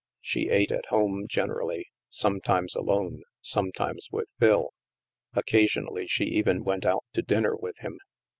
She ate at home generally, sometimes alone, sometimes with Phil. Occasionally she even went out to dinner with him.